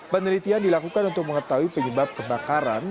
penelitian dilakukan untuk mengetahui penyebab kebakaran